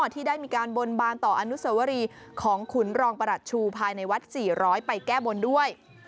ที่ได้มีการบนบานต่ออนุสวรีของขุนรองประหลัดชูภายในวัด๔๐๐ไปแก้บนด้วย